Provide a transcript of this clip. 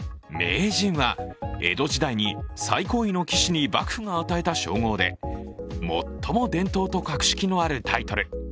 名人は江戸時代に最高位の棋士に幕府が与えた称号で最も伝統と格式のあるタイトル。